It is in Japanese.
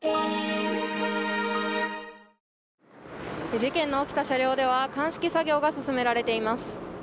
事件の起きた車両では鑑識作業が進められています。